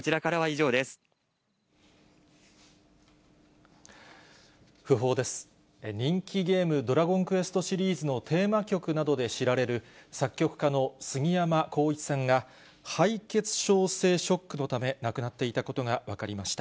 人気ゲーム、ドラゴンクエストシリーズのテーマ曲などで知られる、作曲家のすぎやまこういちさんが、敗血症性ショックのため亡くなっていたことが分かりました。